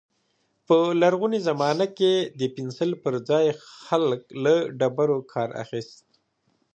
په لرغوني زمانه کې د پنسل پر ځای خلک له ډبرو کار اخيست.